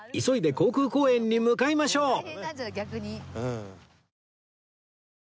急いで航空公園に向かいましょう！